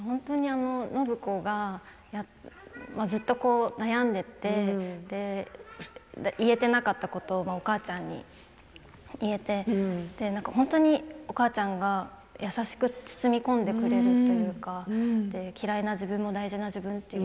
暢子がずっと悩んでいて言えていなかったことをお母ちゃんに言えて本当にお母ちゃんが優しく包み込んでくれるというか嫌いな自分も大事な自分と。